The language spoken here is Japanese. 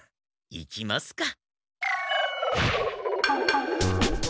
行きますか。